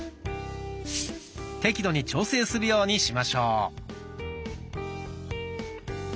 適度に調整するようにしましょう。